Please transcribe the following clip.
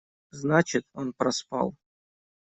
Значит, он проспал.